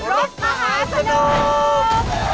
รถมหาสนุก